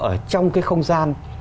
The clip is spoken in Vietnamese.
ở trong cái không gian